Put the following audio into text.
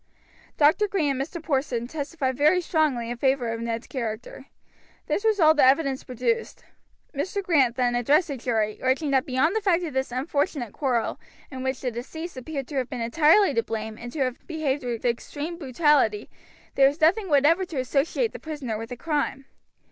Dr. Green and Mr. Porson testified very strongly in favor of Ned's character. This was all the evidence produced. Mr. Grant then addressed the jury, urging that beyond the fact of this unfortunate quarrel, in which the deceased appeared to have been entirely to blame and to have behaved with extreme brutality, there was nothing whatever to associate the prisoner with the crime.